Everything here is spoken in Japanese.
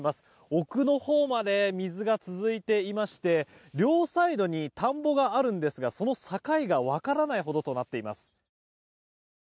奥のほうまで水が続いていまして両サイドに田んぼがあるんですがその境が分からないほどとなっています。